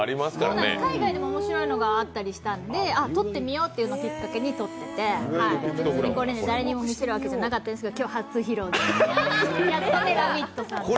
そう、海外でも面白いのがあったりしたので撮ってみようというのをきっかけに撮ってて、誰にも見せるわけじゃなかったんですけど、今日、初披露です。